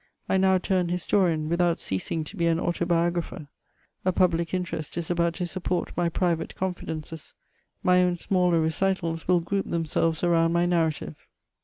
I now turn historian without ceasing to be an autobiographer; a public interest is about to support my private confidences; my own smaller recitals will group themselves around my narrative.